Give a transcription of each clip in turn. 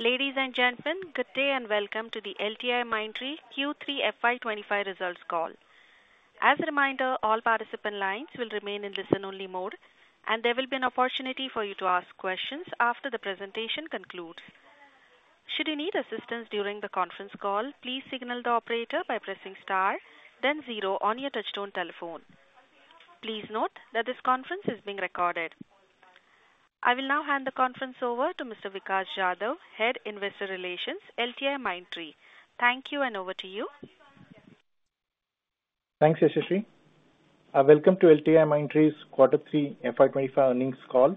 Ladies and gentlemen, good day and welcome to the LTIMindtree Q3 FY 2025 results call. As a reminder, all participant lines will remain in listen-only mode, and there will be an opportunity for you to ask questions after the presentation concludes. Should you need assistance during the conference call, please signal the operator by pressing star, then zero on your touch-tone telephone. Please note that this conference is being recorded. I will now hand the conference over to Mr. Vikas Jadhav, Head Investor Relations, LTIMindtree. Thank you, and over to you. Thanks, Yashasri. Welcome to LTIMindtree's Quarter 3 FY 2025 earnings call.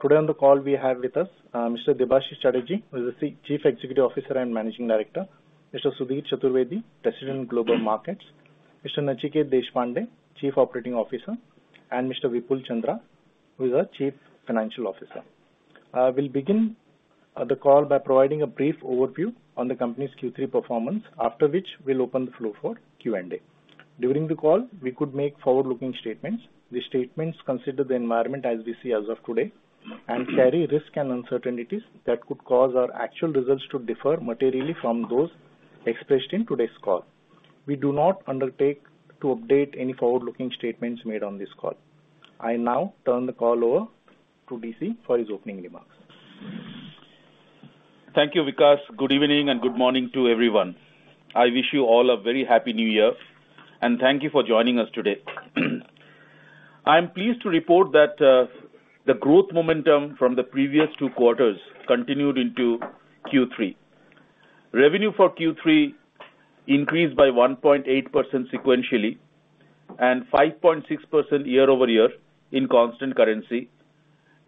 Today on the call, we have with us Mr. Debashis Chatterjee, who is the Chief Executive Officer and Managing Director, Mr. Sudhir Chaturvedi, President, Global Markets, Mr. Nachiket Deshpande, Chief Operating Officer, and Mr. Vipul Chandra, who is the Chief Financial Officer. We'll begin the call by providing a brief overview on the company's Q3 performance, after which we'll open the floor for Q&A. During the call, we could make forward-looking statements. These statements consider the environment as we see as of today and carry risks and uncertainties that could cause our actual results to differ materially from those expressed in today's call. We do not undertake to update any forward-looking statements made on this call. I now turn the call over to DC for his opening remarks.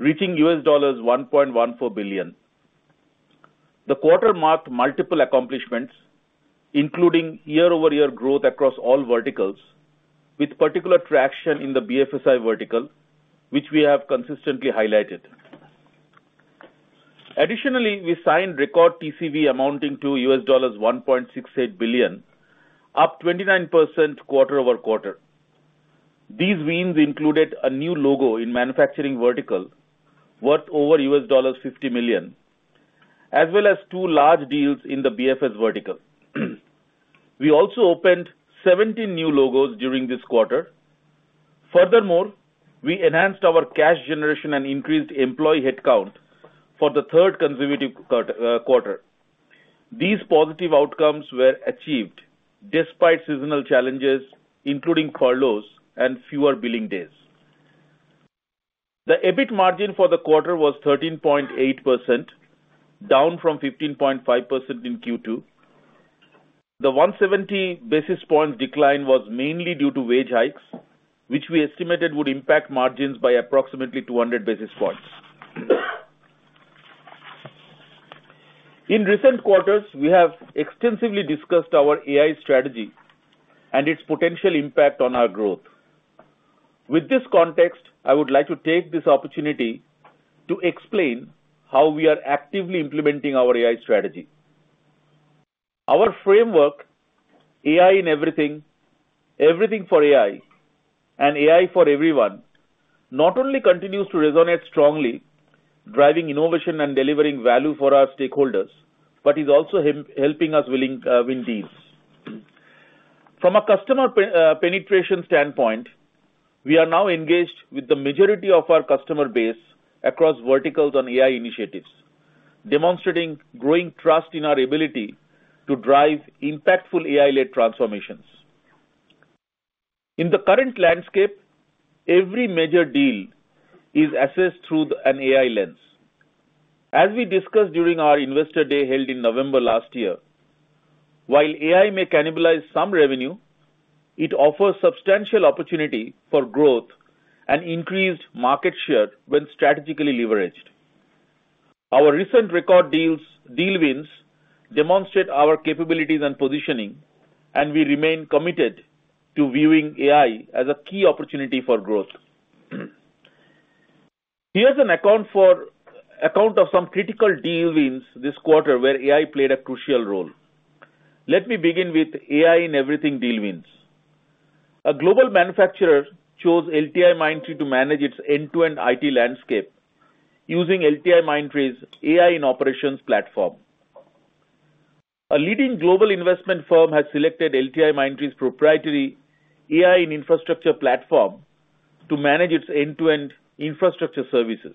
Thank you, Vikas. Good evening and good morning to everyone. I wish you all a very happy New Year, and thank you for joining us today. I am pleased to report that the growth momentum from the previous two quarters continued into Q3. Revenue for Q3 increased by 1.8% sequentially and 5.6% year-over-year in constant currency, reaching $1.14 billion. The quarter marked multiple accomplishments, including year-over-year growth across all verticals, with particular traction in the BFSI vertical, which we have consistently highlighted. Additionally, we signed record TCV amounting to $1.68 billion, up 29% quarter over quarter. These wins included a new logo in the manufacturing vertical worth over $50 million, as well as two large deals in the BFSI vertical. We also opened 17 new logos during this quarter. Furthermore, we enhanced our cash generation and increased employee headcount for the third consecutive quarter. These positive outcomes were achieved despite seasonal challenges, including furloughs and fewer billing days. The EBIT margin for the quarter was 13.8%, down from 15.5% in Q2. The 170 basis points decline was mainly due to wage hikes, which we estimated would impact margins by approximately 200 basis points. In recent quarters, we have extensively discussed our AI strategy and its potential impact on our growth. With this context, I would like to take this opportunity to explain how we are actively implementing our AI strategy. Our framework, AI in Everything, Everything for AI, and AI for Everyone, not only continues to resonate strongly, driving innovation and delivering value for our stakeholders, but is also helping us win deals. From a customer penetration standpoint, we are now engaged with the majority of our customer base across verticals on AI initiatives, demonstrating growing trust in our ability to drive impactful AI-led transformations. In the current landscape, every major deal is assessed through an AI lens. As we discussed during our Investor Day held in November last year, while AI may cannibalize some revenue, it offers substantial opportunity for growth and increased market share when strategically leveraged. Our recent record deals' deal wins demonstrate our capabilities and positioning, and we remain committed to viewing AI as a key opportunity for growth. Here's an account of some critical deal wins this quarter where AI played a crucial role. Let me begin with AI in Everything deal wins. A global manufacturer chose LTIMindtree to manage its end-to-end IT landscape using LTIMindtree's AI in Operations platform. A leading global investment firm has selected LTIMindtree's proprietary AI in Infrastructure platform to manage its end-to-end infrastructure services.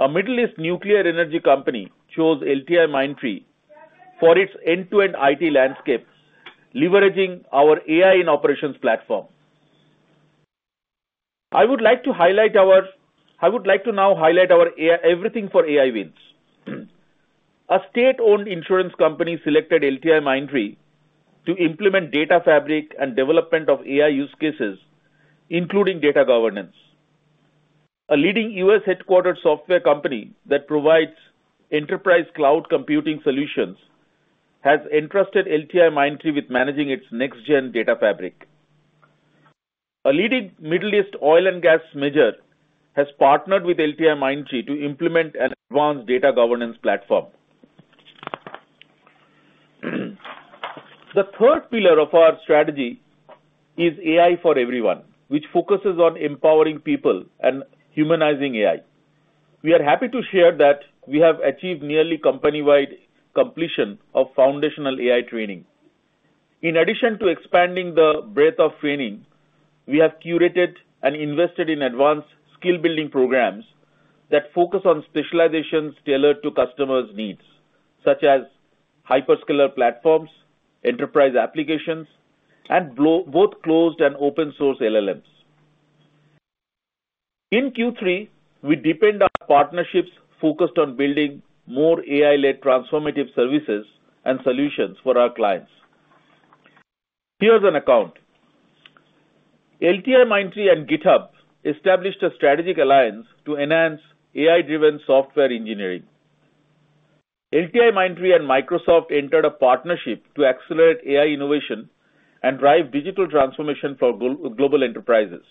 A Middle East nuclear energy company chose LTIMindtree for its end-to-end IT landscape, leveraging our AI in Operations platform. I would like to highlight our Everything for AI wins. A state-owned insurance company selected LTIMindtree to implement Data Fabric and development of AI use cases, including data governance. A leading U.S. headquartered software company that provides enterprise cloud computing solutions has entrusted LTIMindtree with managing its next-gen Data Fabric. A leading Middle East oil and gas major has partnered with LTIMindtree to implement an advanced data governance platform. The third pillar of our strategy is AI for Everyone, which focuses on empowering people and humanizing AI. We are happy to share that we have achieved nearly company-wide completion of foundational AI training. In addition to expanding the breadth of training, we have curated and invested in advanced skill-building programs that focus on specializations tailored to customers' needs, such as hyperscaler platforms, enterprise applications, and both closed and open-source LLMs. In Q3, we deepened partnerships focused on building more AI-led transformative services and solutions for our clients. Here's an example. LTIMindtree and GitHub established a strategic alliance to enhance AI-driven software engineering. LTIMindtree and Microsoft entered a partnership to accelerate AI innovation and drive digital transformation for global enterprises.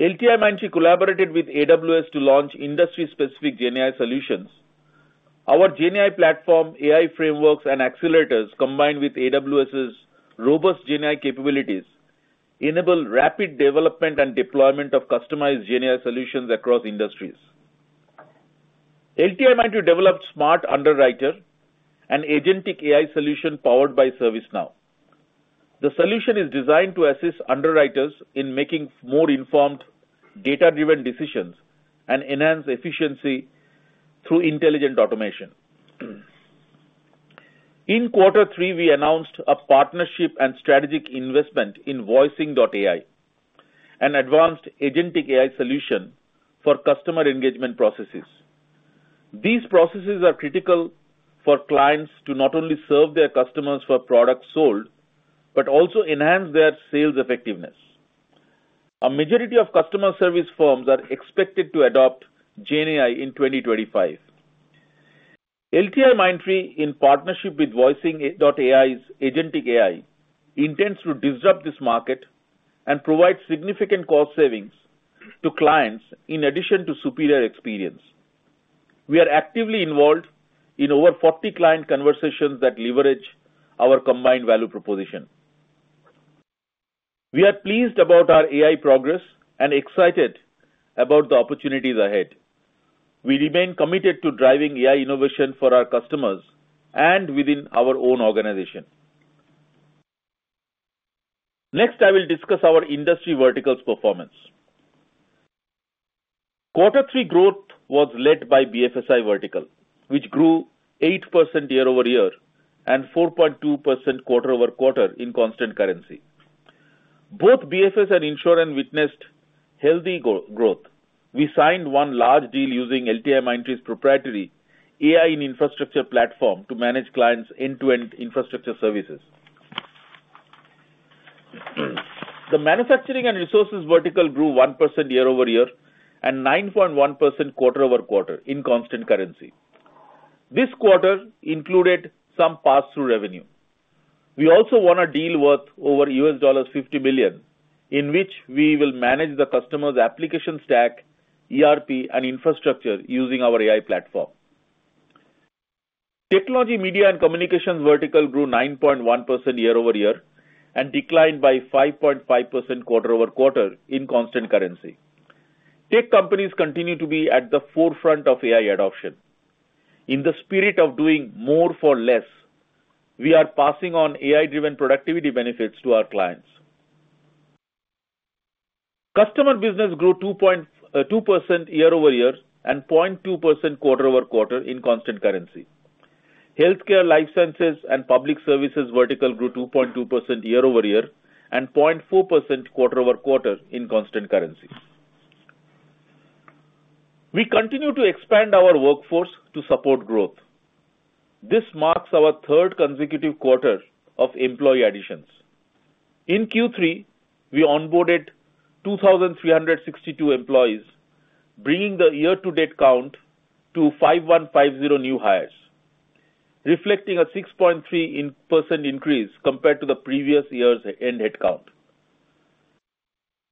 LTIMindtree collaborated with AWS to launch industry-specific GenAI solutions. Our GenAI platform, AI frameworks, and accelerators, combined with AWS's robust GenAI capabilities, enable rapid development and deployment of customized GenAI solutions across industries. LTIMindtree developed Smart Underwriter, an agentic AI solution powered by ServiceNow. The solution is designed to assist underwriters in making more informed, data-driven decisions and enhance efficiency through intelligent automation. In Quarter 3, we announced a partnership and strategic investment in Voice.AI, an advanced agentic AI solution for customer engagement processes. These processes are critical for clients to not only serve their customers for products sold but also enhance their sales effectiveness. A majority of customer service firms are expected to adopt GenAI in 2025. LTIMindtree, in partnership with Voice.AI's agentic AI, intends to disrupt this market and provide significant cost savings to clients in addition to superior experience. We are actively involved in over 40 client conversations that leverage our combined value proposition. We are pleased about our AI progress and excited about the opportunities ahead. We remain committed to driving AI innovation for our customers and within our own organization. Next, I will discuss our industry vertical's performance. Quarter 3 growth was led by BFSI vertical, which grew 8% year-over-year and 4.2% quarter over quarter in constant currency. Both BFS and insurance witnessed healthy growth. We signed one large deal using LTIMindtree's proprietary AI in Infrastructure platform to manage clients' end-to-end infrastructure services. The manufacturing and resources vertical grew 1% year-over-year and 9.1% quarter over quarter in constant currency. This quarter included some pass-through revenue. We also won a deal worth over $50 million, in which we will manage the customer's application stack, ERP, and infrastructure using our AI platform. Technology, media, and communications vertical grew 9.1% year-over-year and declined by 5.5% quarter over quarter in constant currency. Tech companies continue to be at the forefront of AI adoption. In the spirit of doing more for less, we are passing on AI-driven productivity benefits to our clients. Customer business grew 2% year-over-year and 0.2% quarter over quarter in constant currency. Healthcare, life sciences, and public services vertical grew 2.2% year-over-year and 0.4% quarter over quarter in constant currency. We continue to expand our workforce to support growth. This marks our third consecutive quarter of employee additions. In Q3, we onboarded 2,362 employees, bringing the year-to-date count to 5,150 new hires, reflecting a 6.3% increase compared to the previous year's end headcount.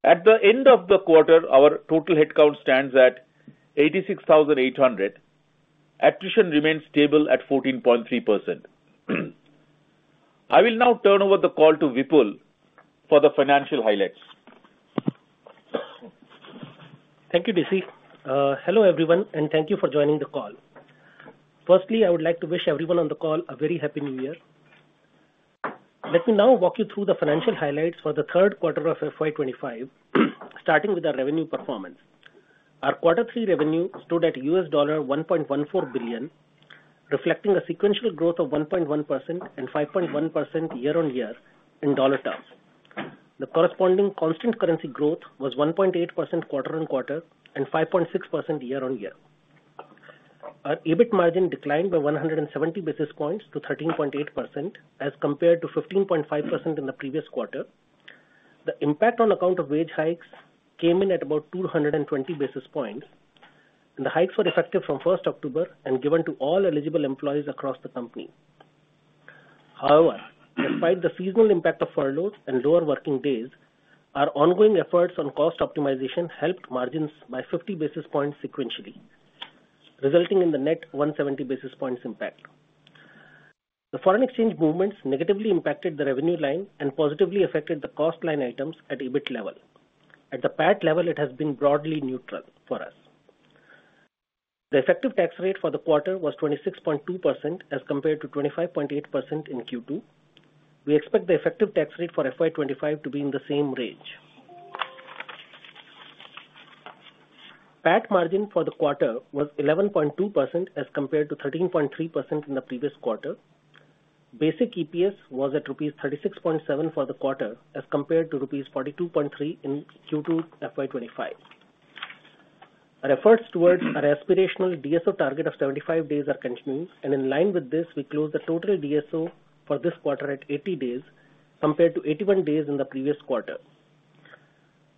At the end of the quarter, our total headcount stands at 86,800. Attrition remains stable at 14.3%. I will now turn over the call to Vipul for the financial highlights. Thank you, DC. Hello everyone, and thank you for joining the call. Firstly, I would like to wish everyone on the call a very happy New Year. Let me now walk you through the financial highlights for the third quarter of FY 2025, starting with our revenue performance. Our Quarter 3 revenue stood at $1.14 billion, reflecting a sequential growth of 1.1% and 5.1% year-on-year in dollar terms. The corresponding constant currency growth was 1.8% quarter on quarter and 5.6% year-on-year. Our EBIT margin declined by 170 basis points to 13.8%, as compared to 15.5% in the previous quarter. The impact on account of wage hikes came in at about 220 basis points. The hikes were effective from 1st October and given to all eligible employees across the company. However, despite the seasonal impact of furloughs and lower working days, our ongoing efforts on cost optimization helped margins by 50 basis points sequentially, resulting in the net 170 basis points impact. The foreign exchange movements negatively impacted the revenue line and positively affected the cost line items at EBIT level. At the PAT level, it has been broadly neutral for us. The effective tax rate for the quarter was 26.2%, as compared to 25.8% in Q2. We expect the effective tax rate for FY 2025 to be in the same range. PAT margin for the quarter was 11.2%, as compared to 13.3% in the previous quarter. Basic EPS was at rupees 36.7 for the quarter, as compared to rupees 42.3 in Q2 FY 2025. Our efforts towards our aspirational DSO target of 75 days are continuing, and in line with this, we closed the total DSO for this quarter at 80 days, compared to 81 days in the previous quarter.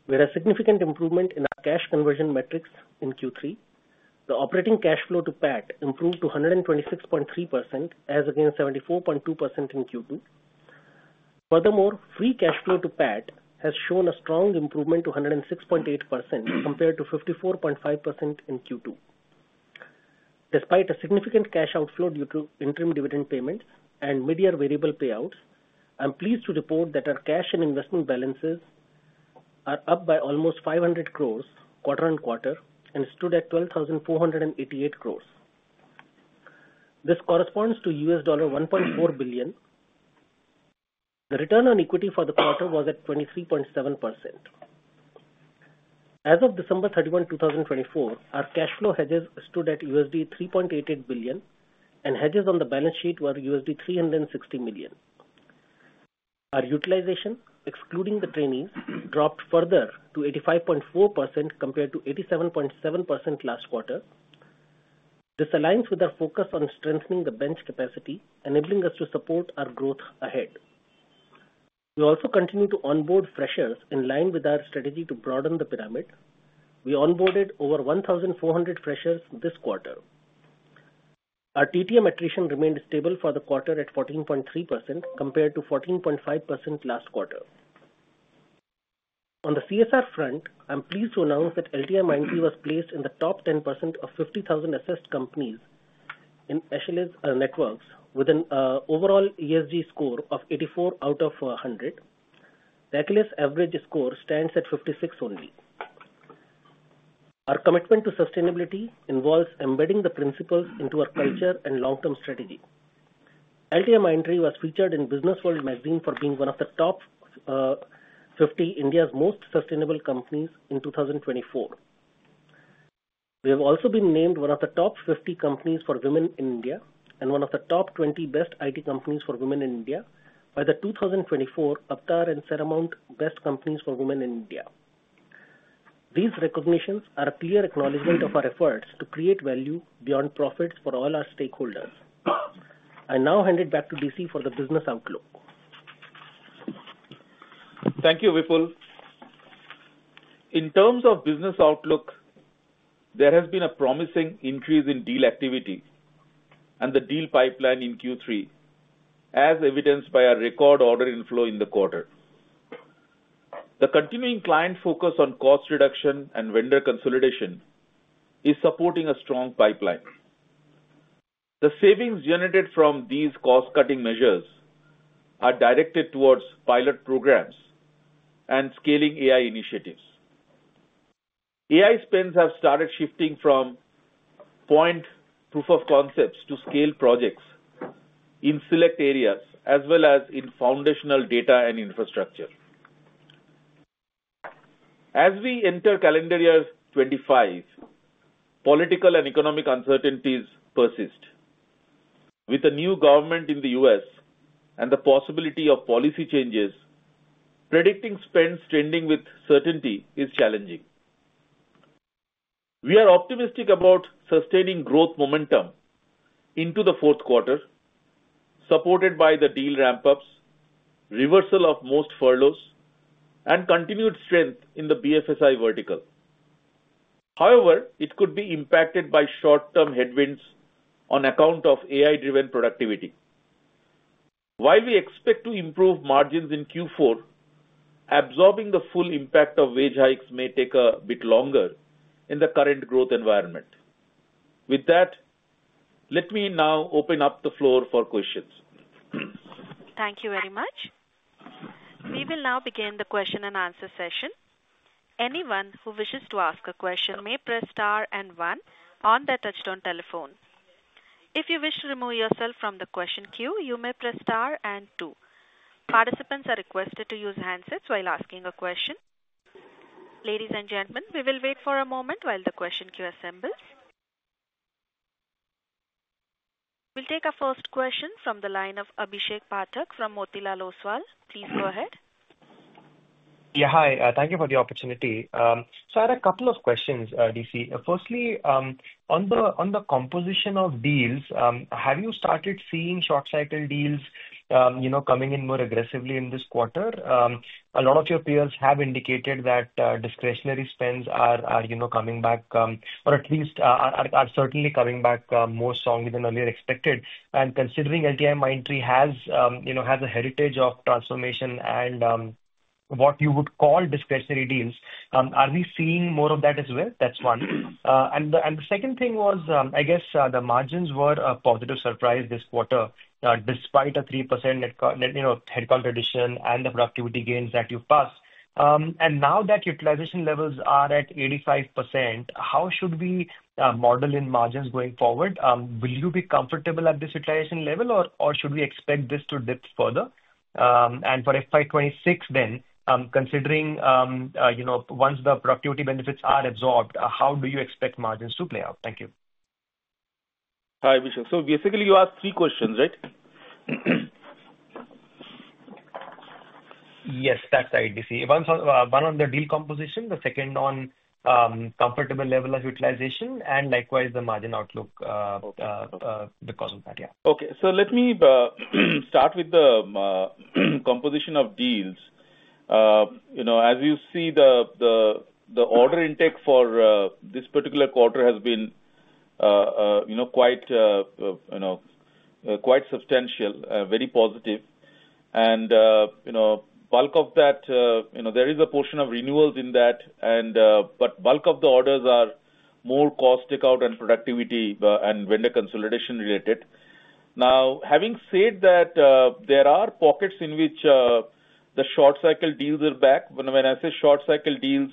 We had a significant improvement in our cash conversion metrics in Q3. The operating cash flow to PAT improved to 126.3%, as against 74.2% in Q2. Furthermore, free cash flow to PAT has shown a strong improvement to 106.8%, compared to 54.5% in Q2. Despite a significant cash outflow due to interim dividend payment and mid-year variable payouts, I'm pleased to report that our cash and investment balances are up by almost 500 crores quarter on quarter and stood at 12,488 crores. This corresponds to $1.4 billion. The return on equity for the quarter was at 23.7%. As of December 31, 2024, our cash flow hedges stood at $3.88 billion, and hedges on the balance sheet were $360 million. Our utilization, excluding the trainees, dropped further to 85.4% compared to 87.7% last quarter. This aligns with our focus on strengthening the bench capacity, enabling us to support our growth ahead. We also continue to onboard freshers in line with our strategy to broaden the pyramid. We onboarded over 1,400 freshers this quarter. Our TTM attrition remained stable for the quarter at 14.3%, compared to 14.5% last quarter. On the CSR front, I'm pleased to announce that LTIMindtree was placed in the top 10% of 50,000 assessed companies in Achilles network with an overall ESG score of 84 out of 100. The Achilles average score stands at 56 only. Our commitment to sustainability involves embedding the principles into our culture and long-term strategy. LTIMindtree was featured in Businessworld for being one of the top 50 India's most sustainable companies in 2024. We have also been named one of the top 50 companies for women in India and one of the top 20 best IT companies for women in India by the 2024 Avtar and Seramount Best Companies for Women in India. These recognitions are a clear acknowledgment of our efforts to create value beyond profits for all our stakeholders. I now hand it back to DC for the business outlook. Thank you, Vipul. In terms of business outlook, there has been a promising increase in deal activity and the deal pipeline in Q3, as evidenced by our record order inflow in the quarter. The continuing client focus on cost reduction and vendor consolidation is supporting a strong pipeline. The savings generated from these cost-cutting measures are directed towards pilot programs and scaling AI initiatives. AI spends have started shifting from point proof of concepts to scale projects in select areas, as well as in foundational data and infrastructure. As we enter calendar year 2025, political and economic uncertainties persist. With the new government in the U.S. and the possibility of policy changes, predicting spends trending with certainty is challenging. We are optimistic about sustaining growth momentum into the fourth quarter, supported by the deal ramp-ups, reversal of most furloughs, and continued strength in the BFSI vertical. However, it could be impacted by short-term headwinds on account of AI-driven productivity. While we expect to improve margins in Q4, absorbing the full impact of wage hikes may take a bit longer in the current growth environment. With that, let me now open up the floor for questions. Thank you very much. We will now begin the question and answer session. Anyone who wishes to ask a question may press star and one on their touch-tone telephone. If you wish to remove yourself from the question queue, you may press star and two. Participants are requested to use handsets while asking a question. Ladies and gentlemen, we will wait for a moment while the question queue assembles. We'll take our first question from the line of Abhishek Pathak from Motilal Oswal. Please go ahead. Yeah, hi. Thank you for the opportunity. So I had a couple of questions, DC. Firstly, on the composition of deals, have you started seeing short-cycle deals coming in more aggressively in this quarter? A lot of your peers have indicated that discretionary spends are coming back, or at least are certainly coming back more strongly than earlier expected. And considering LTIMindtree has a heritage of transformation and what you would call discretionary deals, are we seeing more of that as well? That's one. And the second thing was, I guess the margins were a positive surprise this quarter, despite a 3% headcount addition and the productivity gains that you've passed. And now that utilization levels are at 85%, how should we model in margins going forward? Will you be comfortable at this utilization level, or should we expect this to dip further? For FY 2026 then, considering once the productivity benefits are absorbed, how do you expect margins to play out? Thank you. Hi, Abhishek. So basically, you asked three questions, right? Yes, that's right, DC. One on the deal composition, the second on comfortable level of utilization, and likewise, the margin outlook because of that, yeah. Okay. So let me start with the composition of deals. As you see, the order intake for this particular quarter has been quite substantial, very positive, and bulk of that, there is a portion of renewals in that, but bulk of the orders are more cost takeout and productivity and vendor consolidation related. Now, having said that, there are pockets in which the short-cycle deals are back. When I say short-cycle deals,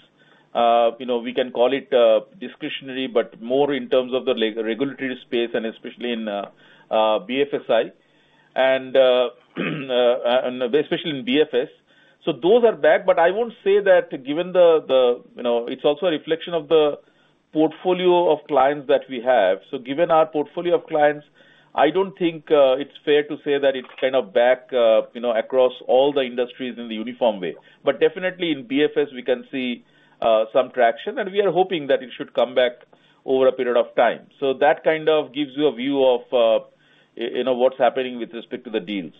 we can call it discretionary, but more in terms of the regulatory space, and especially in BFSI, and especially in BFS. So those are back, but I won't say that given that it's also a reflection of the portfolio of clients that we have, so given our portfolio of clients, I don't think it's fair to say that it's kind of back across all the industries in the uniform way. but definitely, in BFS, we can see some traction, and we are hoping that it should come back over a period of time. So that kind of gives you a view of what's happening with respect to the deals.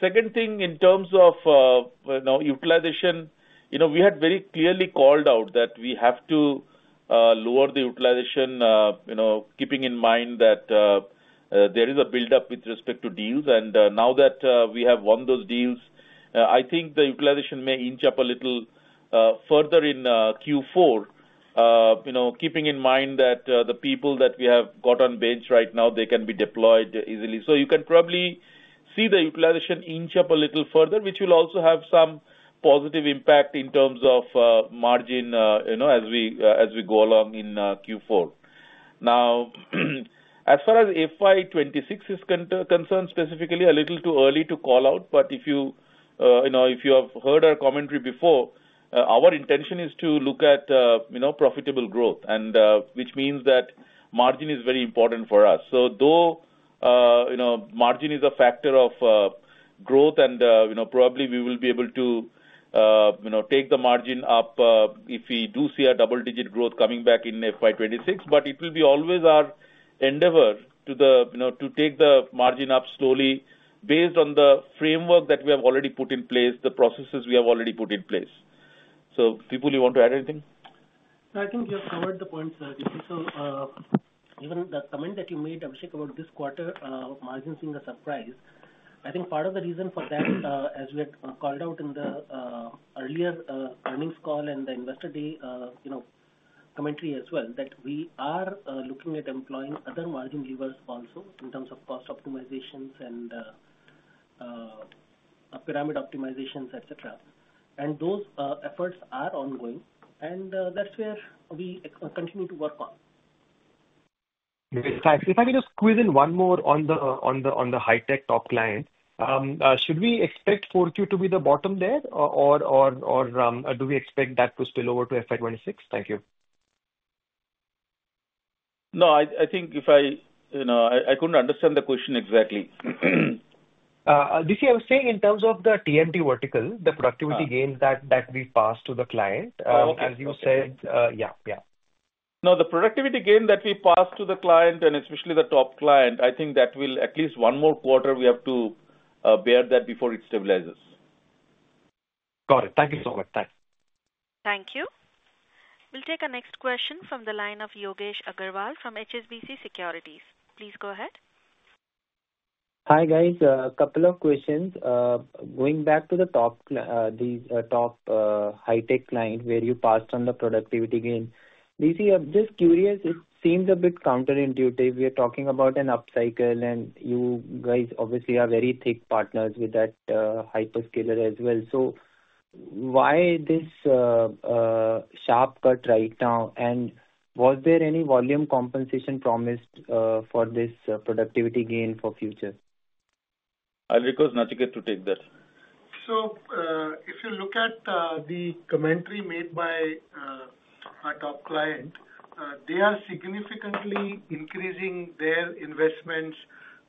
Second thing, in terms of utilization, we had very clearly called out that we have to lower the utilization, keeping in mind that there is a buildup with respect to deals. And now that we have won those deals, I think the utilization may inch up a little further in Q4, keeping in mind that the people that we have got on bench right now, they can be deployed easily. So you can probably see the utilization inch up a little further, which will also have some positive impact in terms of margin as we go along in Q4. Now, as far as FY 2026 is concerned, specifically, a little too early to call out, but if you have heard our commentary before, our intention is to look at profitable growth, which means that margin is very important for us. So though margin is a factor of growth, and probably we will be able to take the margin up if we do see a double-digit growth coming back in FY 2026, but it will be always our endeavor to take the margin up slowly based on the framework that we have already put in place, the processes we have already put in place. So Vipul, you want to add anything? I think you have covered the points, DC. So even the comment that you made, Abhishek, about this quarter margin being a surprise, I think part of the reason for that, as we had called out in the earlier earnings call and the investor day commentary as well, that we are looking at employing other margin levers also in terms of cost optimizations and pyramid optimizations, etc., and those efforts are ongoing, and that's where we continue to work on. If I can just squeeze in one more on the high-tech top client, should we expect 4Q to be the bottom there, or do we expect that to spill over to FY 2026? Thank you. No, I think I couldn't understand the question exactly. DC, I was saying in terms of the TMT vertical, the productivity gain that we passed to the client, as you said, yeah, yeah. No, the productivity gain that we passed to the client, and especially the top client, I think that will at least one more quarter. We have to bear that before it stabilizes. Got it. Thank you so much. Thanks. Thank you. We'll take a next question from the line of Yogesh Aggarwal from HSBC Securities. Please go ahead. Hi guys. A couple of questions. Going back to the top high-tech client where you passed on the productivity gain, DC, I'm just curious, it seems a bit counterintuitive. We are talking about an upcycle, and you guys obviously are very thick partners with that hyperscaler as well. So why this sharp cut right now, and was there any volume compensation promised for this productivity gain for future? I'll request Nachiket to take that. So if you look at the commentary made by our top client, they are significantly increasing their investments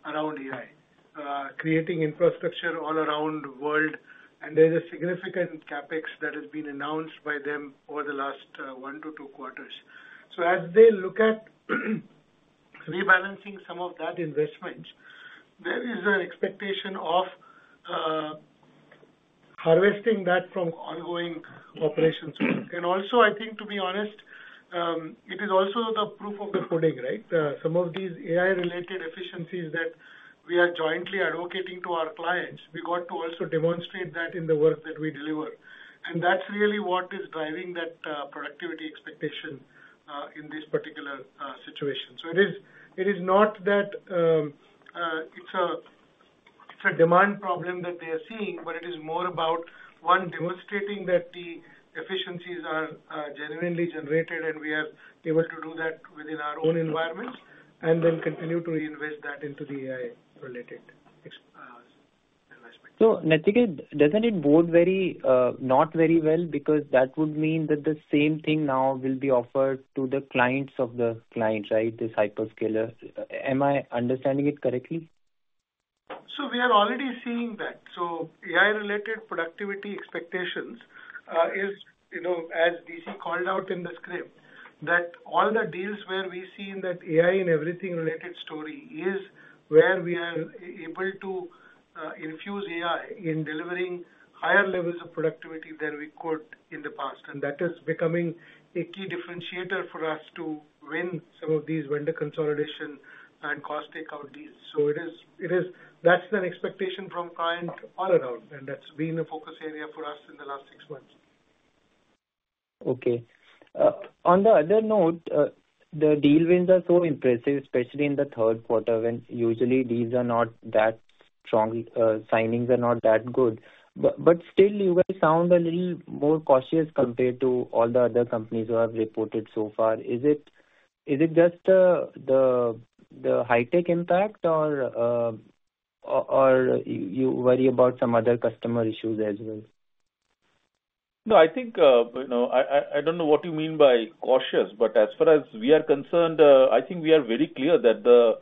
around AI, creating infrastructure all around the world, and there's a significant CapEx that has been announced by them over the last one to two quarters. So as they look at rebalancing some of that investment, there is an expectation of harvesting that from ongoing operations. And also, I think, to be honest, it is also the proof of the pudding, right? Some of these AI-related efficiencies that we are jointly advocating to our clients, we got to also demonstrate that in the work that we deliver. And that's really what is driving that productivity expectation in this particular situation. So it is not that it's a demand problem that they are seeing, but it is more about one demonstrating that the efficiencies are genuinely generated, and we are able to do that within our own environments, and then continue to reinvest that into the AI-related investment. So, Nachiket, doesn't it bode not very well? Because that would mean that the same thing now will be offered to the clients of the clients, right? This hyperscaler. Am I understanding it correctly? So we are already seeing that. So AI-related productivity expectations is, as DC called out in the script, that all the deals where we see that AI in everything-related story is where we are able to infuse AI in delivering higher levels of productivity than we could in the past. And that is becoming a key differentiator for us to win some of these vendor consolidation and cost takeout deals. So that's the expectation from client all around, and that's been a focus area for us in the last six months. Okay. On the other note, the deal wins are so impressive, especially in the third quarter, when usually deals are not that strong, signings are not that good. But still, you guys sound a little more cautious compared to all the other companies who have reported so far. Is it just the high-tech impact, or you worry about some other customer issues as well? No, I think I don't know what you mean by cautious, but as far as we are concerned, I think we are very clear that the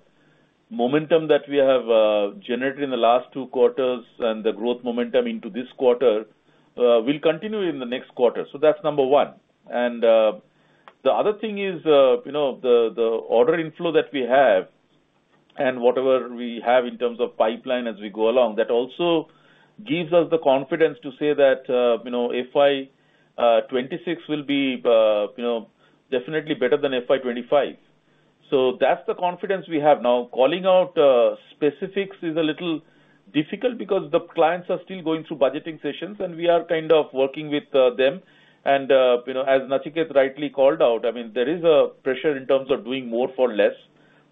momentum that we have generated in the last two quarters and the growth momentum into this quarter will continue in the next quarter. So that's number one, and the other thing is the order inflow that we have and whatever we have in terms of pipeline as we go along, that also gives us the confidence to say that FY 2026 will be definitely better than FY 2025. So that's the confidence we have. Now, calling out specifics is a little difficult because the clients are still going through budgeting sessions, and we are kind of working with them, and as Nachiket rightly called out, I mean, there is a pressure in terms of doing more for less.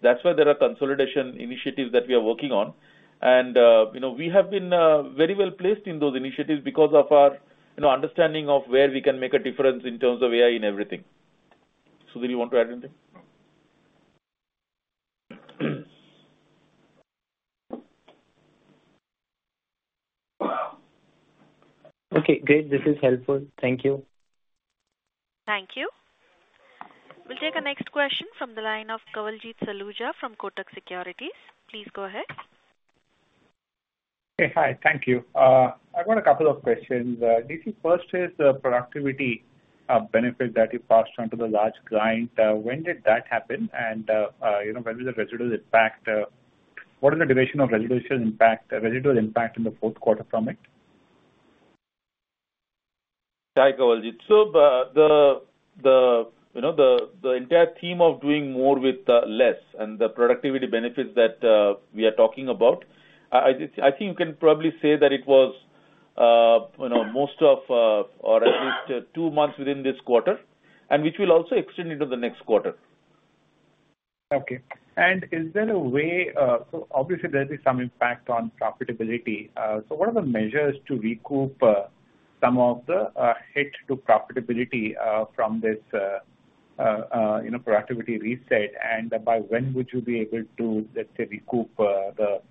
That's why there are consolidation initiatives that we are working on. And we have been very well placed in those initiatives because of our understanding of where we can make a difference in terms of AI in everything. So did you want to add anything? Okay. Great. This is helpful. Thank you. Thank you. We'll take the next question from the line of Kawaljeet Saluja from Kotak Securities. Please go ahead. Hey, hi. Thank you. I've got a couple of questions. DC, first is the productivity benefit that you passed on to the large client. When did that happen? And when did the residuals impact? What is the duration of residuals impact in the fourth quarter from it? Hi Kawaljeet. So the entire theme of doing more with less and the productivity benefits that we are talking about, I think you can probably say that it was most of or at least two months within this quarter, and which will also extend into the next quarter. Okay. And is there a way? So obviously, there is some impact on profitability. So what are the measures to recoup some of the hit to profitability from this productivity reset? And by when would you be able to, let's say, recoup the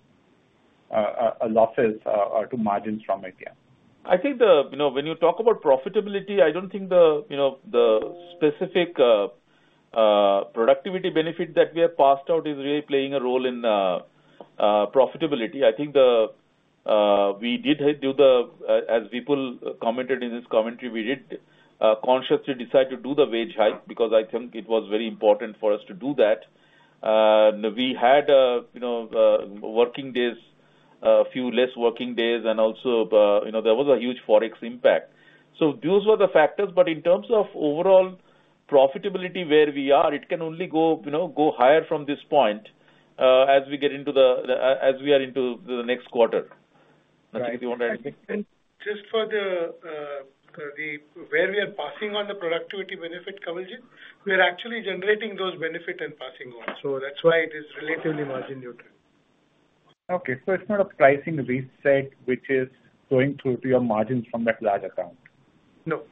losses or to margins from it? Yeah. I think when you talk about profitability, I don't think the specific productivity benefit that we have passback is really playing a role in profitability. I think we did do the, as Vipul commented in his commentary, we did consciously decide to do the wage hike because I think it was very important for us to do that. We had working days, a few less working days, and also there was a huge forex impact. So those were the factors. But in terms of overall profitability where we are, it can only go higher from this point as we get into the next quarter. Nachiket, you want to add anything? Just for the where we are passing on the productivity benefit, Kawaljeet, we are actually generating those benefits and passing on. So that's why it is relatively margin neutral. Okay. So it's not a pricing reset which is going through to your margins from that large account? No.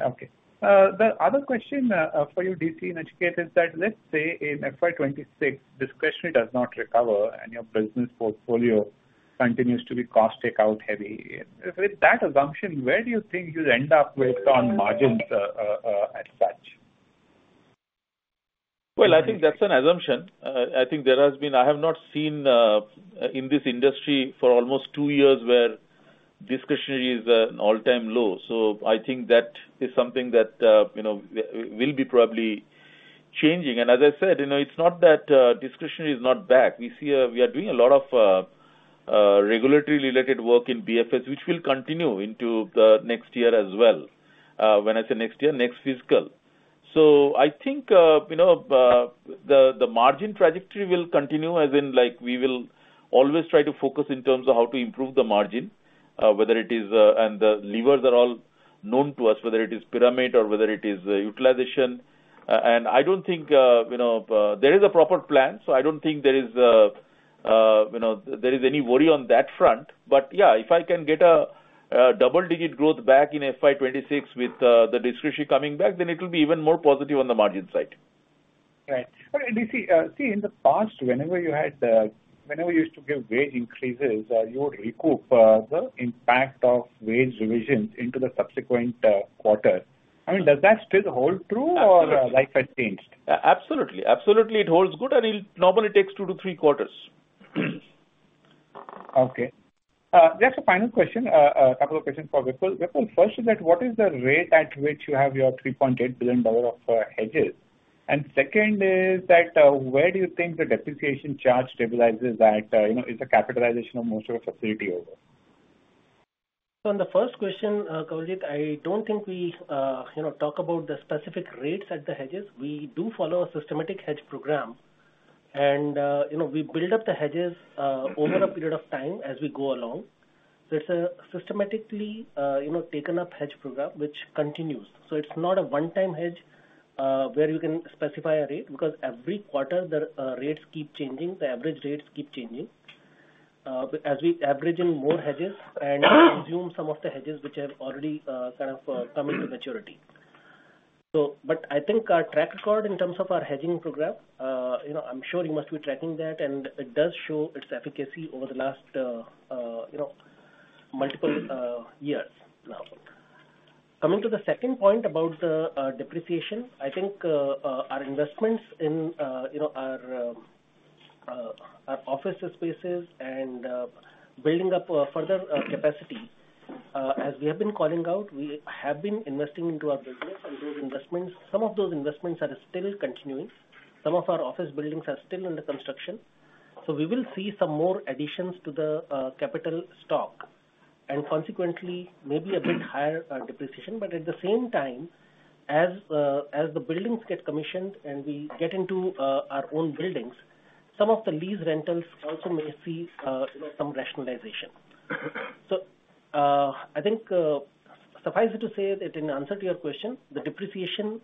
Okay. The other question for you, DC and Nachiket, is that let's say in FY 2026, this question does not recover and your business portfolio continues to be cost takeout heavy. With that assumption, where do you think you'll end up with on margins as such? I think that's an assumption. I think there has been. I have not seen in this industry for almost two years where discretionary is an all-time low, so I think that is something that will be probably changing, and as I said, it's not that discretionary is not back. We are doing a lot of regulatory-related work in BFS, which will continue into the next year as well. When I say next year, next fiscal, so I think the margin trajectory will continue, as in we will always try to focus in terms of how to improve the margin, whether it is and the levers are all known to us, whether it is pyramid or whether it is utilization, and I don't think there is a proper plan, so I don't think there is any worry on that front. But yeah, if I can get a double-digit growth back in FY 2026 with the discretionary coming back, then it will be even more positive on the margin side. Right. DC, see, in the past, whenever you used to give wage increases, you would recoup the impact of wage revisions into the subsequent quarter. I mean, does that still hold true or life has changed? Absolutely. Absolutely, it holds good. I mean, normally it takes two to three quarters. Okay. Just a final question, a couple of questions for Vipul. Vipul, first is that what is the rate at which you have your $3.8 billion of hedges? And second is that where do you think the depreciation charge stabilizes that? Is the capitalization of most of the facility over? So on the first question, Kawaljeet, I don't think we talk about the specific rates at the hedges. We do follow a systematic hedge program, and we build up the hedges over a period of time as we go along. So it's a systematically taken-up hedge program which continues. So it's not a one-time hedge where you can specify a rate because every quarter the rates keep changing. The average rates keep changing as we average in more hedges and assume some of the hedges which have already kind of come into maturity. But I think our track record in terms of our hedging program, I'm sure you must be tracking that, and it does show its efficacy over the last multiple years. Now, coming to the second point about the depreciation, I think our investments in our office spaces and building up further capacity, as we have been calling out, we have been investing into our business, and those investments, some of those investments are still continuing. Some of our office buildings are still under construction. So we will see some more additions to the capital stock and consequently maybe a bit higher depreciation. But at the same time, as the buildings get commissioned and we get into our own buildings, some of the lease rentals also may see some rationalization. So I think suffice it to say that in answer to your question, the depreciation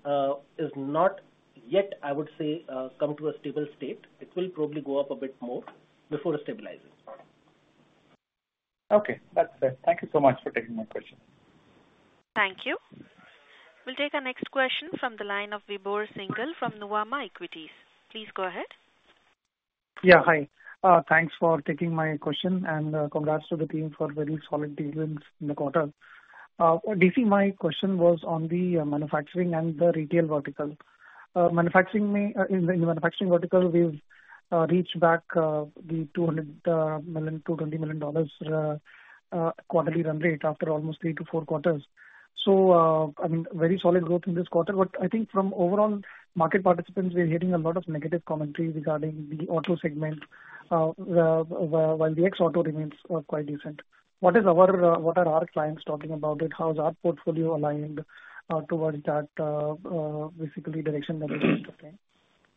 is not yet, I would say, come to a stable state. It will probably go up a bit more before stabilizing. Okay. That's it. Thank you so much for taking my question. Thank you. We'll take a next question from the line of Vibhor Singhal from Nuvama Equities. Please go ahead. Yeah. Hi. Thanks for taking my question, and congrats to the team for very solid deals in the quarter. DC, my question was on the manufacturing and the retail vertical. In the manufacturing vertical, we've reached back the $220 million quarterly run rate after almost three to four quarters. So I mean, very solid growth in this quarter. But I think from overall market participants, we're hearing a lot of negative commentary regarding the auto segment, while Volvo Cars remains quite decent. What are our clients talking about it? How is our portfolio aligned towards that basically direction that we're going to take?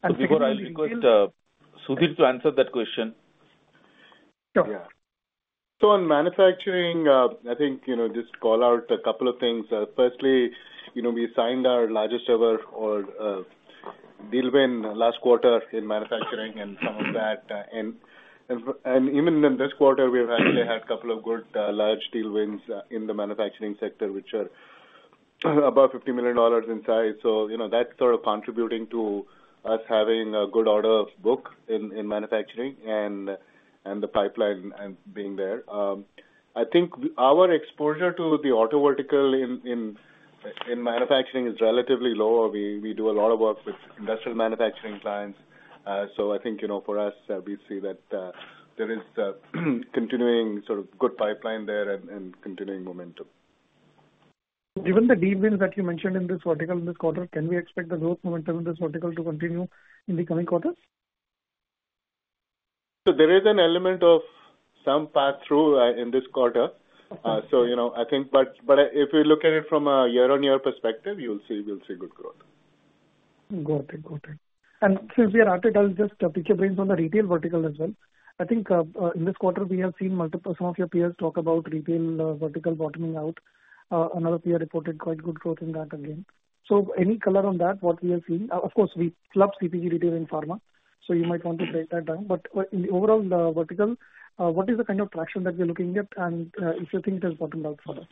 Vibhor, I think it's Sudhir to answer that question. Sure. Yeah. So on manufacturing, I think just call out a couple of things. Firstly, we signed our largest ever deal win last quarter in manufacturing, and some of that and even in this quarter, we've actually had a couple of good large deal wins in the manufacturing sector, which are about $50 million in size. So that's sort of contributing to us having a good order book in manufacturing and the pipeline being there. I think our exposure to the auto vertical in manufacturing is relatively low. We do a lot of work with industrial manufacturing clients. So I think for us, we see that there is continuing sort of good pipeline there and continuing momentum. Given the deal wins that you mentioned in this vertical in this quarter, can we expect the growth momentum in this vertical to continue in the coming quarters? So there is an element of some pass-through in this quarter, so I think. But if we look at it from a year-on-year perspective, you'll see good growth. Got it. Got it. And since we are at it, I'll just pick your brains on the retail vertical as well. I think in this quarter, we have seen some of your peers talk about retail vertical bottoming out. Another peer reported quite good growth in that again. So any color on that, what we have seen? Of course, we club CPG retail and pharma, so you might want to break that down. But in the overall vertical, what is the kind of traction that we're looking at, and if you think it has bottomed out for us?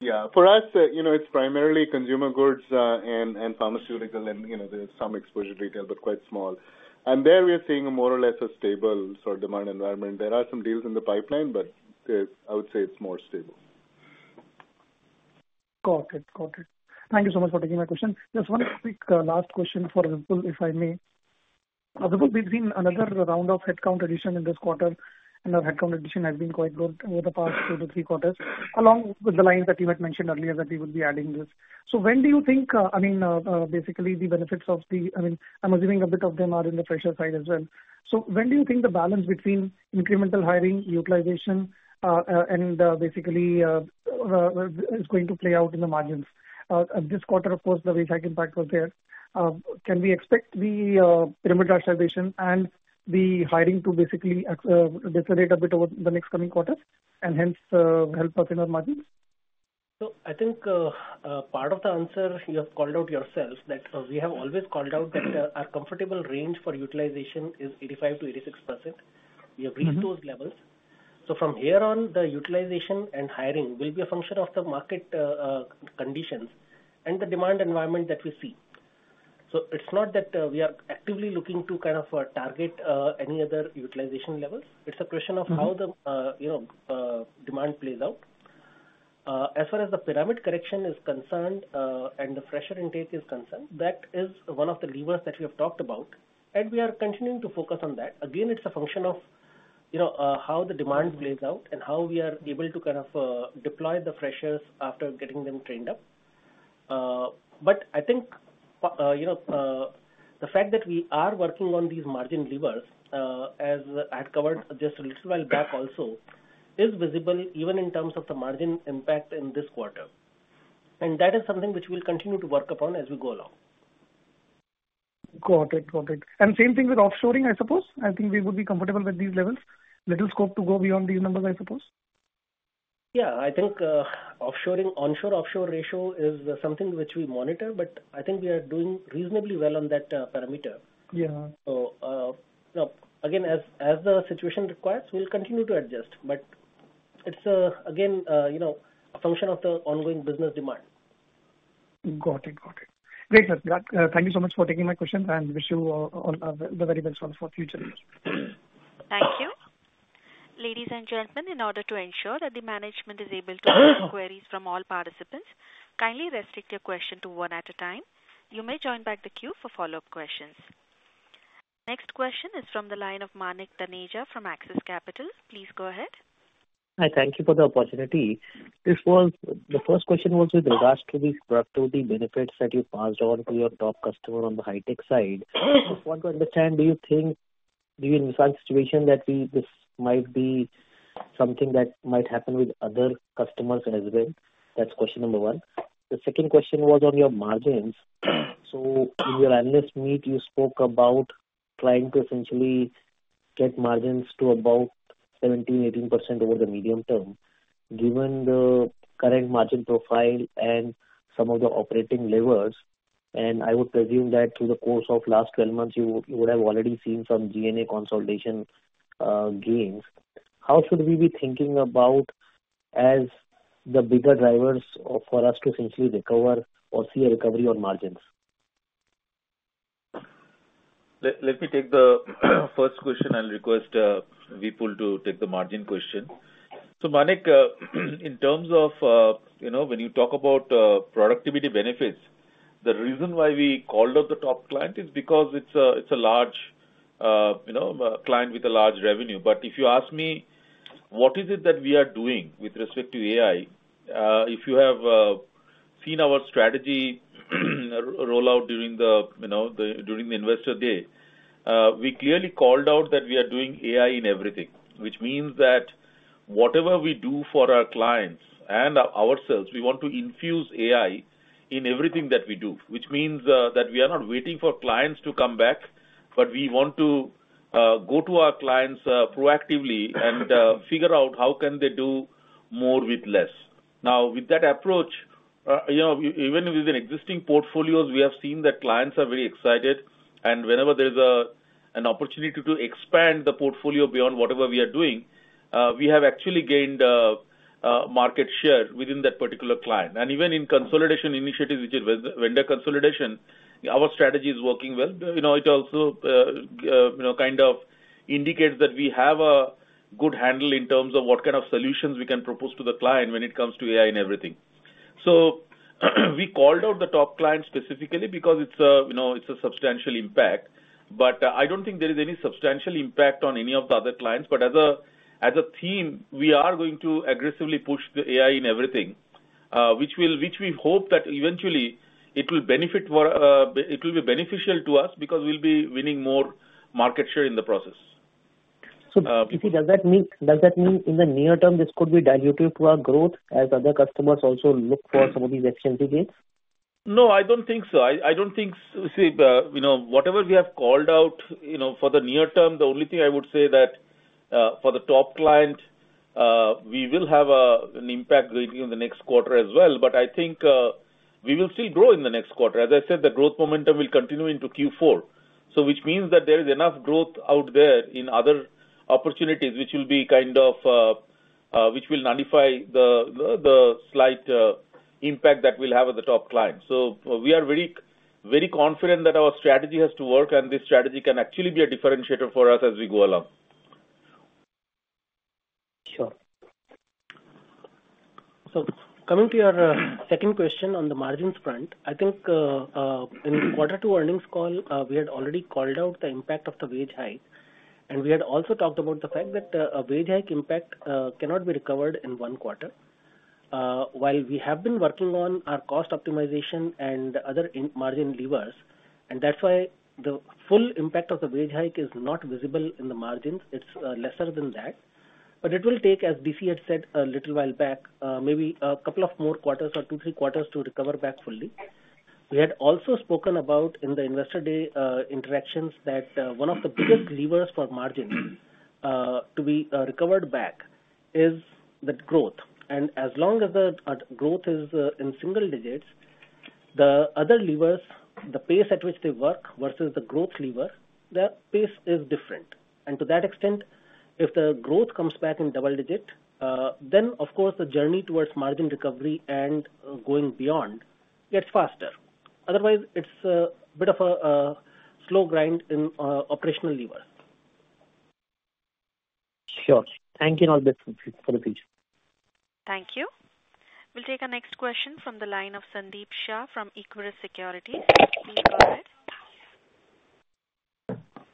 Yeah. For us, it's primarily consumer goods and pharmaceutical, and there's some exposure retail, but quite small, and there we are seeing more or less a stable sort of demand environment. There are some deals in the pipeline, but I would say it's more stable. Got it. Got it. Thank you so much for taking my question. Just one quick last question for Vipul, if I may. Vipul, we've seen another round of headcount addition in this quarter, and our headcount addition has been quite good over the past two to three quarters, along the lines that you had mentioned earlier that we will be adding this. So when do you think, I mean, basically the benefits of the I mean, I'm assuming a bit of them are in the pressure side as well. So when do you think the balance between incremental hiring, utilization, and basically is going to play out in the margins? This quarter, of course, the wage hike impact was there. Can we expect the pyramid rationalization and the hiring to basically decelerate a bit over the next coming quarter and hence help us in our margins? So I think part of the answer you have called out yourself that we have always called out that our comfortable range for utilization is 85%-86%. We have reached those levels. So from here on, the utilization and hiring will be a function of the market conditions and the demand environment that we see. So it's not that we are actively looking to kind of target any other utilization levels. It's a question of how the demand plays out. As far as the pyramid correction is concerned and the fresher intake is concerned, that is one of the levers that we have talked about, and we are continuing to focus on that. Again, it's a function of how the demand plays out and how we are able to kind of deploy the freshers after getting them trained up. But I think the fact that we are working on these margin levers, as I had covered just a little while back also, is visible even in terms of the margin impact in this quarter. And that is something which we'll continue to work upon as we go along. Got it. Got it. And same thing with offshoring, I suppose. I think we would be comfortable with these levels. Little scope to go beyond these numbers, I suppose. Yeah. I think onshore-offshore ratio is something which we monitor, but I think we are doing reasonably well on that parameter. So again, as the situation requires, we'll continue to adjust. But it's again a function of the ongoing business demand. Got it. Got it. Great. Thank you so much for taking my question, and wish you all the very best for future years. Thank you. Ladies and gentlemen, in order to ensure that the management is able to hear the queries from all participants, kindly restrict your question to one at a time. You may join back the queue for follow-up questions. Next question is from the line of Manik Taneja from Axis Capital. Please go ahead. Hi. Thank you for the opportunity. This was the first question was with regards to these productivity benefits that you passed on to your top customer on the high-tech side. I just want to understand, do you think, given the current situation, that this might be something that might happen with other customers as well? That's question number one. The second question was on your margins. So in your analyst meet, you spoke about trying to essentially get margins to about 17%-18% over the medium term. Given the current margin profile and some of the operating levers, and I would presume that through the course of the last 12 months, you would have already seen some G&A consolidation gains. How should we be thinking about as the bigger drivers for us to essentially recover or see a recovery on margins? Let me take the first question and request Vipul to take the margin question. So Manik, in terms of when you talk about productivity benefits, the reason why we called out the top client is because it's a large client with a large revenue. But if you ask me what is it that we are doing with respect to AI, if you have seen our strategy rollout during the investor day, we clearly called out that we are doing AI in Everything, which means that whatever we do for our clients and ourselves, we want to infuse AI in everything that we do, which means that we are not waiting for clients to come back, but we want to go to our clients proactively and figure out how can they do more with less. Now, with that approach, even within existing portfolios, we have seen that clients are very excited, and whenever there is an opportunity to expand the portfolio beyond whatever we are doing, we have actually gained market share within that particular client, and even in consolidation initiatives, which is vendor consolidation, our strategy is working well. It also kind of indicates that we have a good handle in terms of what kind of solutions we can propose to the client when it comes to AI in everything, so we called out the top client specifically because it's a substantial impact, but I don't think there is any substantial impact on any of the other clients. But as a theme, we are going to aggressively push the AI in Everything, which we hope that eventually it will benefit. It will be beneficial to us because we'll be winning more market share in the process. So Vipul, does that mean in the near term this could be diluted to our growth as other customers also look for some of these expensive deals? No, I don't think so. I don't think so. You see, whatever we have called out for the near term, the only thing I would say that for the top client, we will have an impact in the next quarter as well, but I think we will still grow in the next quarter. As I said, the growth momentum will continue into Q4, which means that there is enough growth out there in other opportunities which will kind of nullify the slight impact that we'll have with the top client, so we are very confident that our strategy has to work, and this strategy can actually be a differentiator for us as we go along. Sure, so coming to your second question on the margins front, I think in quarter two earnings call, we had already called out the impact of the wage hike, and we had also talked about the fact that a wage hike impact cannot be recovered in one quarter. While we have been working on our cost optimization and other margin levers, and that's why the full impact of the wage hike is not visible in the margins. It's lesser than that, but it will take, as DC had said a little while back, maybe a couple of more quarters or two, three quarters to recover back fully. We had also spoken about in the investor day interactions that one of the biggest levers for margins to be recovered back is the growth. And as long as the growth is in single digits, the other levers, the pace at which they work versus the growth lever, their pace is different. And to that extent, if the growth comes back in double digit, then, of course, the journey towards margin recovery and going beyond gets faster. Otherwise, it's a bit of a slow grind in operational levers. Sure. Thank you and all best wishes for the future. Thank you. We'll take a next question from the line of Sandeep Shah from Equirus Securities. Please go ahead.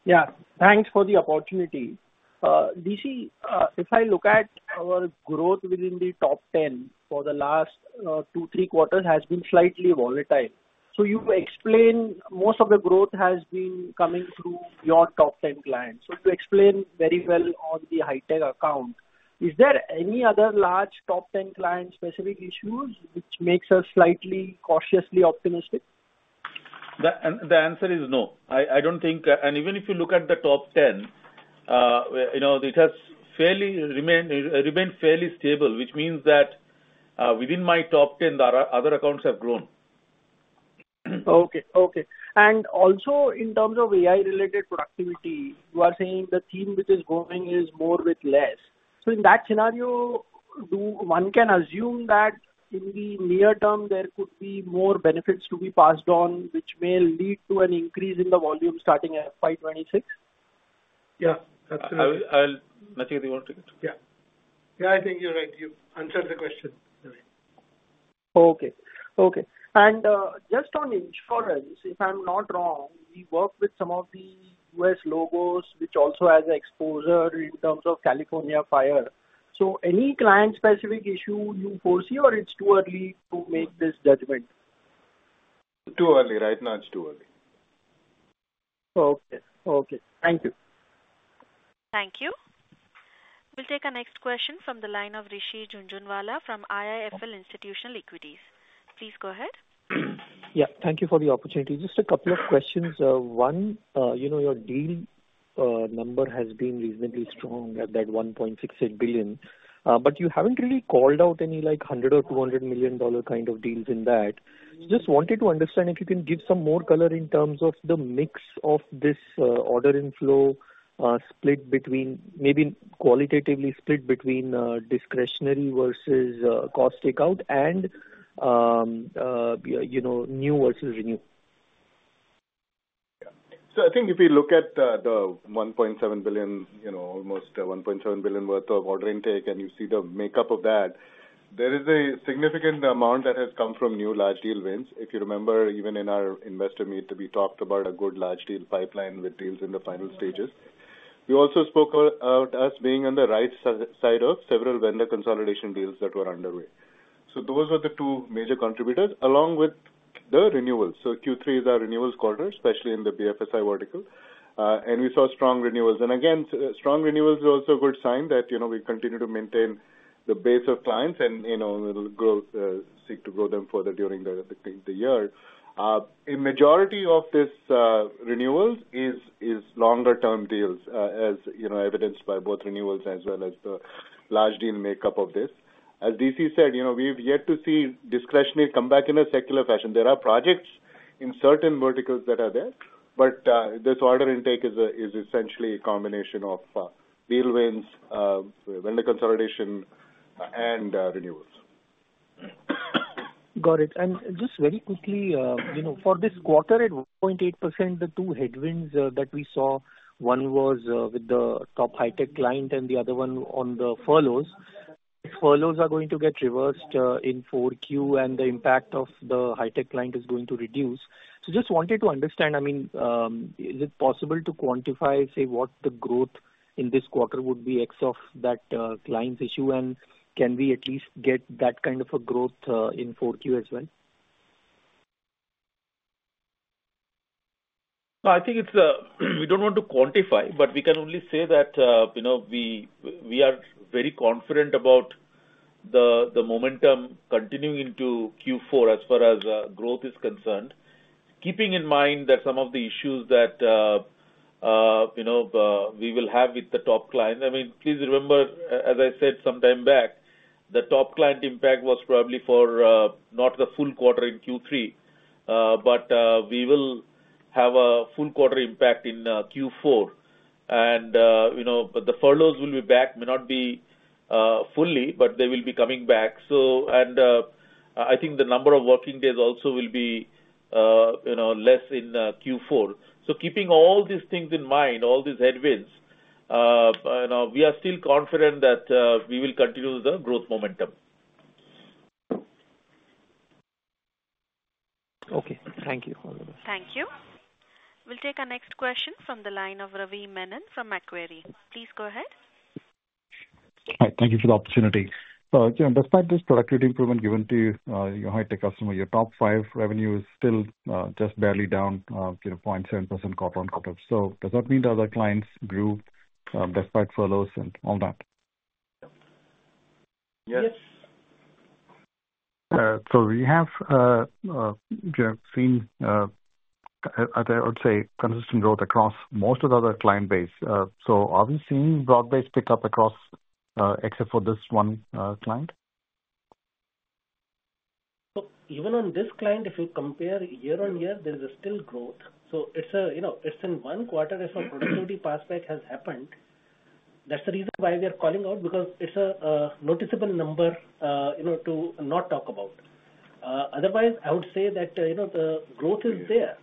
Yeah. Thanks for the opportunity. DC, if I look at our growth within the top 10 for the last two, three quarters, it has been slightly volatile. So you explain most of the growth has been coming through your top 10 clients. So you explain very well on the high-tech account. Is there any other large top 10 client-specific issues which makes us slightly cautiously optimistic? The answer is no. I don't think, and even if you look at the top 10, it has fairly remained stable, which means that within my top 10, the other accounts have grown. Okay. And also in terms of AI-related productivity, you are saying the theme which is growing is more with less. So in that scenario, one can assume that in the near term, there could be more benefits to be passed on, which may lead to an increase in the volume starting FY 2026? Yeah. Absolutely. Nachiket, you want to take it? Yeah. Yeah. I think you're right. You've answered the question. Okay. Okay. And just on insurance, if I'm not wrong, we work with some of the U.S. logos, which also has exposure in terms of California fire. So any client-specific issue you foresee, or it's too early to make this judgment? Too early. Right now, it's too early. Okay. Okay. Thank you. Thank you. We'll take a next question from the line of Rishi Jhunjhunwala from IIFL Institutional Equities. Please go ahead. Yeah. Thank you for the opportunity. Just a couple of questions. One, your deal number has been reasonably strong at that $1.68 billion, but you haven't really called out any $100 million or $200 million dollar kind of deals in that. Just wanted to understand if you can give some more color in terms of the mix of this order inflow split between maybe qualitatively split between discretionary versus cost takeout and new versus renew. Yeah. So I think if we look at the $1.7 billion, almost $1.7 billion worth of order intake, and you see the makeup of that, there is a significant amount that has come from new large deal wins. If you remember, even in our investor meet, we talked about a good large deal pipeline with deals in the final stages. We also spoke about us being on the right side of several vendor consolidation deals that were underway. So those were the two major contributors, along with the renewals. Q3 is our renewals quarter, especially in the BFSI vertical, and we saw strong renewals. Again, strong renewals are also a good sign that we continue to maintain the base of clients, and we'll seek to grow them further during the year. The majority of these renewals is longer-term deals, as evidenced by both renewals as well as the large deal makeup of this. As DC said, we've yet to see discretionary come back in a secular fashion. There are projects in certain verticals that are there, but this order intake is essentially a combination of deal wins, vendor consolidation, and renewals. Got it. And just very quickly, for this quarter, at 1.8%, the two headwinds that we saw, one was with the top high-tech client and the other one on the furloughs. These furloughs are going to get reversed in 4Q, and the impact of the high-tech client is going to reduce. So just wanted to understand, I mean, is it possible to quantify, say, what the growth in this quarter would be ex of that client's issue, and can we at least get that kind of a growth in 4Q as well? I think we don't want to quantify, but we can only say that we are very confident about the momentum continuing into Q4 as far as growth is concerned, keeping in mind that some of the issues that we will have with the top client. I mean, please remember, as I said sometime back, the top client impact was probably for not the full quarter in Q3, but we will have a full quarter impact in Q4, and the furloughs will be back, may not be fully, but they will be coming back, and I think the number of working days also will be less in Q4, so keeping all these things in mind, all these headwinds, we are still confident that we will continue the growth momentum. Okay. Thank you. Thank you. We'll take a next question from the line of Ravi Menon from Macquarie. Please go ahead. Hi. Thank you for the opportunity. So despite this productivity improvement given to your high-tech customer, your top five revenue is still just barely down 0.7% quarter on quarter. So does that mean the other clients grew despite furloughs and all that? Yes. Yes. So we have seen, I would say, consistent growth across most of the other client base. So are we seeing broad-based pickup across except for this one client? So even on this client, if you compare year-on-year, there is still growth. So it's in one quarter as far as productivity passback has happened. That's the reason why we are calling out because it's a noticeable number to not talk about. Otherwise, I would say that the growth is there.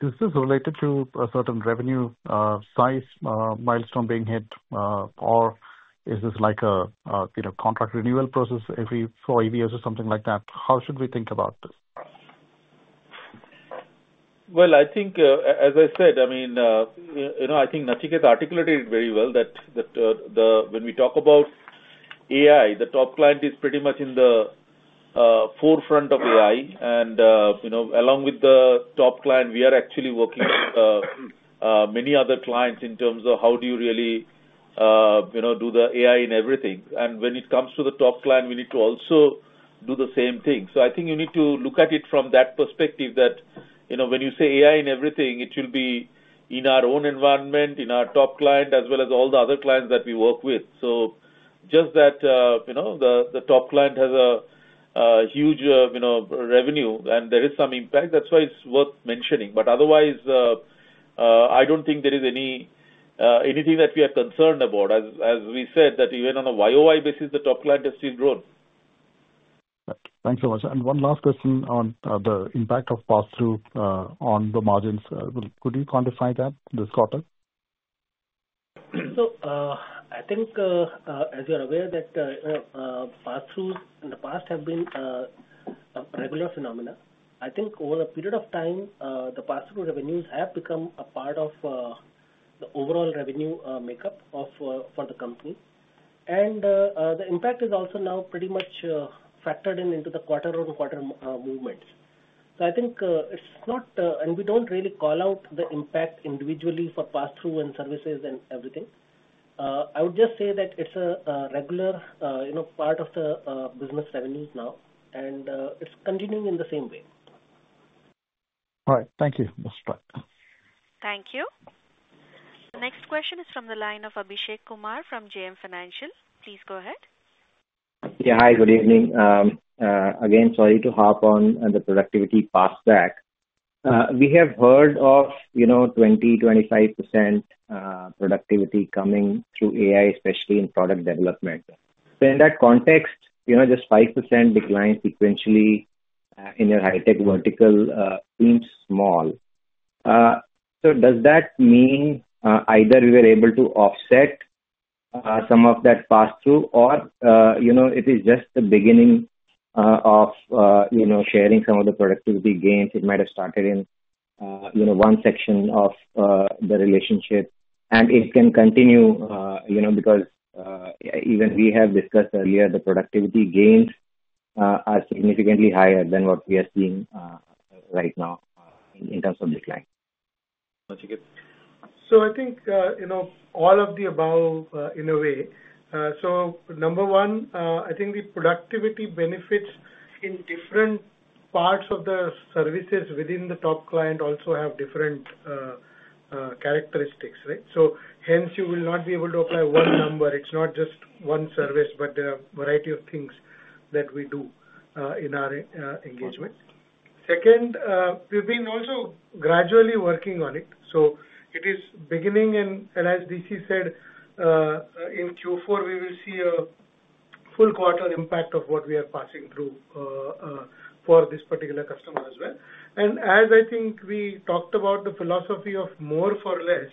This is related to a certain revenue size milestone being hit, or is this like a contract renewal process every four years or something like that? How should we think about this? I think, as I said, I mean, I think Nachiket has articulated it very well that when we talk about AI, the top client is pretty much in the forefront of AI. And along with the top client, we are actually working with many other clients in terms of how do you really do the AI in everything. And when it comes to the top client, we need to also do the same thing. So I think you need to look at it from that perspective that when you say AI in everything, it will be in our own environment, in our top client, as well as all the other clients that we work with. So just that the top client has a huge revenue, and there is some impact. That's why it's worth mentioning. But otherwise, I don't think there is anything that we are concerned about. As we said, that even on a YoY basis, the top client has still grown. Thanks so much. And one last question on the impact of pass-through on the margins. Could you quantify that this quarter? So I think, as you're aware, that pass-throughs in the past have been a regular phenomenon. I think over a period of time, the pass-through revenues have become a part of the overall revenue makeup for the company. And the impact is also now pretty much factored into the quarter-on-quarter movement. So I think it's not, and we don't really call out the impact individually for pass-through and services and everything. I would just say that it's a regular part of the business revenues now, and it's continuing in the same way. All right. Thank you. Thank you. The next question is from the line of Abhishek Kumar from JM Financial. Please go ahead. Yeah. Hi. Good evening. Again, sorry to hop on the productivity passback. We have heard of 20%-25% productivity coming through AI, especially in product development. So in that context, just 5% declines sequentially in your high-tech vertical seems small. So does that mean either we were able to offset some of that pass-through, or it is just the beginning of sharing some of the productivity gains? It might have started in one section of the relationship, and it can continue because even we have discussed earlier, the productivity gains are significantly higher than what we are seeing right now in terms of decline. Nachiket. I think all of the above in a way. Number one, I think the productivity benefits in different parts of the services within the top client also have different characteristics, right? Hence, you will not be able to apply one number. It's not just one service, but a variety of things that we do in our engagements. Second, we've been also gradually working on it. It is beginning, and as DC said, in Q4, we will see a full quarter impact of what we are passing through for this particular customer as well. As I think we talked about the philosophy of more for less,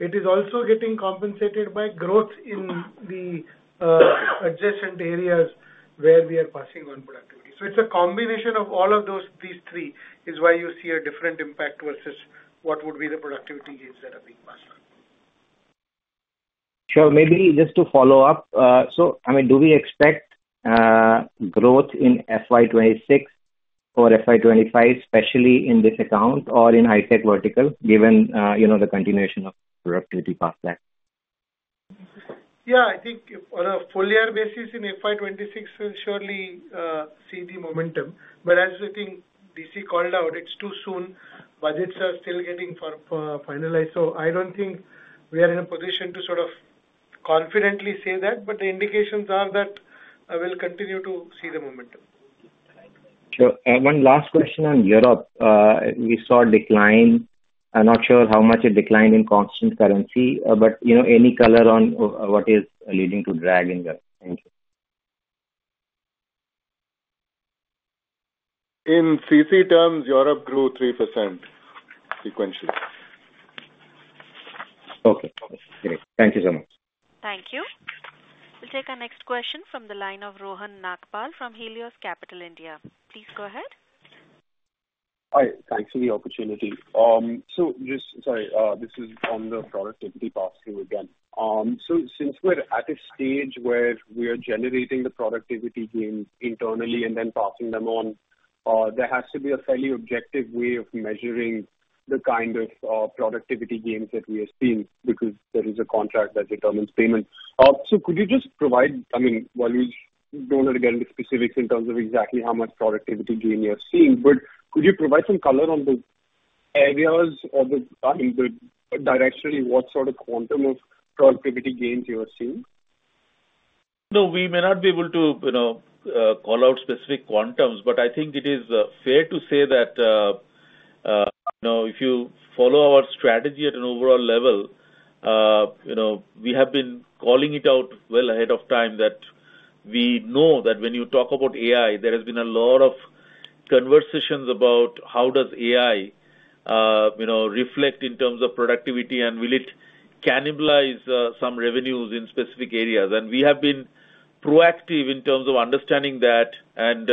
it is also getting compensated by growth in the adjacent areas where we are passing on productivity. So it's a combination of all of these three is why you see a different impact versus what would be the productivity gains that are being passed on. So maybe just to follow up, so I mean, do we expect growth in FY 2026 or FY 2025, especially in this account or in high-tech vertical, given the continuation of productivity passback? Yeah. I think on a full year basis in FY 2026, we'll surely see the momentum. But as I think DC called out, it's too soon. Budgets are still getting finalized. So I don't think we are in a position to sort of confidently say that, but the indications are that we'll continue to see the momentum. Sure. One last question on Europe. We saw decline. I'm not sure how much it declined in constant currency, but any color on what is leading to drag in Europe? Thank you. In CC terms, Europe grew 3% sequentially. Okay. Thank you so much. Thank you. We'll take our next question from the line of Rohan Nagpal from Helios Capital India. Please go ahead. Hi. Thanks for the opportunity. So just, sorry, this is on the productivity pass-through again. So since we're at a stage where we are generating the productivity gains internally and then passing them on, there has to be a fairly objective way of measuring the kind of productivity gains that we have seen because there is a contract that determines payment. So could you just provide, I mean, while we don't want to get into specifics in terms of exactly how much productivity gain you're seeing, but could you provide some color on the areas or the, I mean, the directionally, what sort of quantum of productivity gains you are seeing? No, we may not be able to call out specific quantums, but I think it is fair to say that if you follow our strategy at an overall level, we have been calling it out well ahead of time that we know that when you talk about AI, there has been a lot of conversations about how does AI reflect in terms of productivity and will it cannibalize some revenues in specific areas, and we have been proactive in terms of understanding that and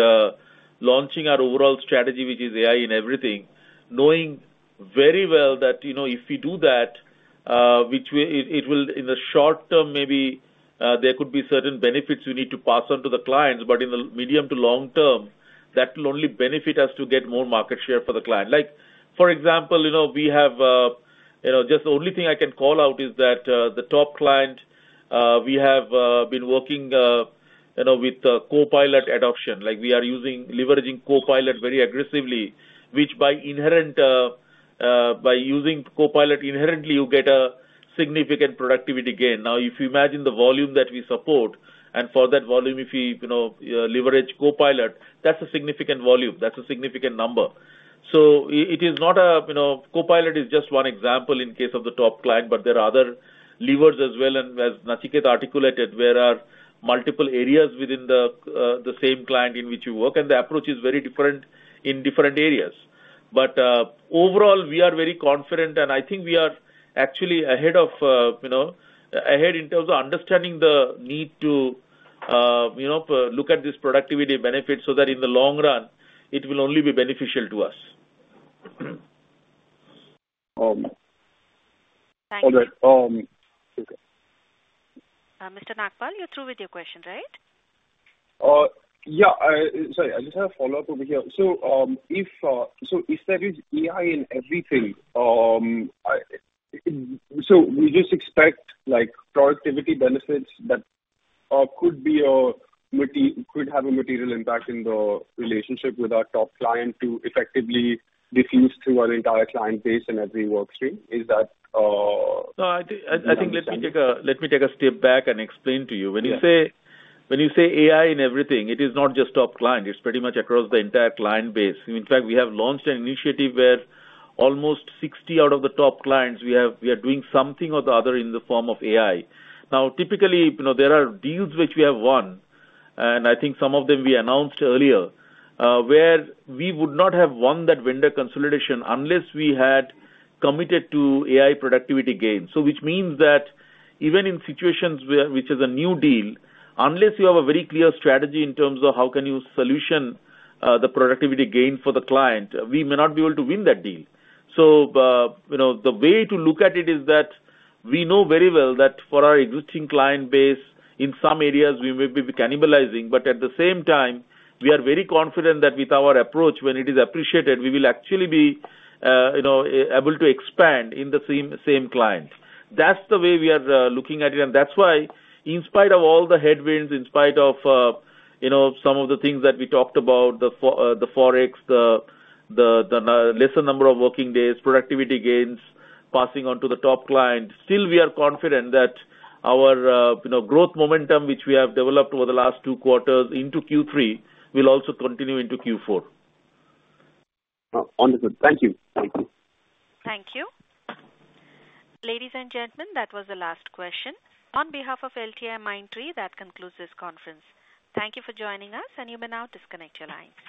launching our overall strategy, which is AI in Everything, knowing very well that if we do that, it will, in the short term, maybe there could be certain benefits we need to pass on to the clients, but in the medium to long term, that will only benefit us to get more market share for the client. For example, we have just the only thing I can call out is that the top client, we have been working with Copilot adoption. We are leveraging Copilot very aggressively, which by using Copilot inherently, you get a significant productivity gain. Now, if you imagine the volume that we support, and for that volume, if we leverage Copilot, that's a significant volume. That's a significant number. So it is not. Copilot is just one example in case of the top client, but there are other levers as well. And as Nachiket articulated, there are multiple areas within the same client in which you work, and the approach is very different in different areas. Overall, we are very confident, and I think we are actually ahead in terms of understanding the need to look at this productivity benefit so that in the long run, it will only be beneficial to us. Thank you. Mr. Nagpal, you're through with your question, right? Yeah. Sorry, I just have a follow-up over here. So if there is AI in Everything, so we just expect productivity benefits that could have a material impact in the relationship with our top client to effectively diffuse through our entire client base and every workstream. Is that? I think let me take a step back and explain to you. When you say AI in everything, it is not just top client. It's pretty much across the entire client base. In fact, we have launched an initiative where almost 60 out of the top clients, we are doing something or the other in the form of AI. Now, typically, there are deals which we have won, and I think some of them we announced earlier, where we would not have won that vendor consolidation unless we had committed to AI productivity gains. Which means that even in situations which is a new deal, unless you have a very clear strategy in terms of how can you solution the productivity gain for the client, we may not be able to win that deal. So the way to look at it is that we know very well that for our existing client base, in some areas, we may be cannibalizing, but at the same time, we are very confident that with our approach, when it is appreciated, we will actually be able to expand in the same client. That's the way we are looking at it. And that's why, in spite of all the headwinds, in spite of some of the things that we talked about, the forex, the lesser number of working days, productivity gains passing on to the top client, still we are confident that our growth momentum, which we have developed over the last two quarters into Q3, will also continue into Q4. Wonderful. Thank you. Thank you. Thank you. Ladies and gentlemen, that was the last question. On behalf of LTIMindtree, that concludes this conference. Thank you for joining us, and you may now disconnect your lines.